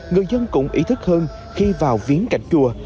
người dân cũng ý thức hơn khi vào viếng cảnh chùa